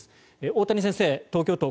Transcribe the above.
大谷先生、東京都